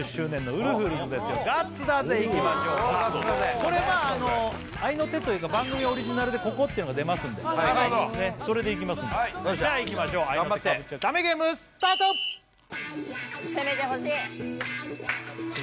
これまあ合いの手というか番組オリジナルで「ここ」ってのが出ますんでなるほどそれでいきますんでじゃあいきましょう合いの手かぶっちゃダメゲームスタート攻めてほしい